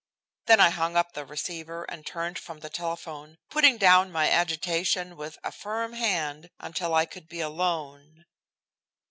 Then I hung up the receiver and turned from the telephone, putting down my agitation with a firm hand until I could be alone.